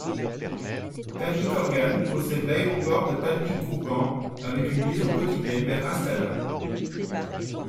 Taldykorgan possède l'aéroport de Taldykourgan avec une liaison quotidienne vers Astana.